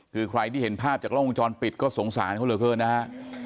คือใครที่เห็นภาพจากล้องวงจรปิดก็สงสารเขาเหลือเกินนะฮะ